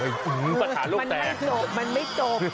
มันไม่จบมันไม่จบ